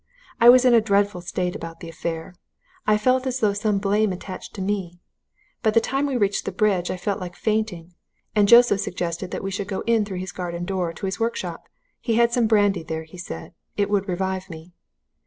I was in a dreadful state about the affair. I felt as though some blame attached to me. By the time we reached the bridge I felt like fainting. And Joseph suggested we should go in through his garden door to his workshop he had some brandy there, he said it would revive me.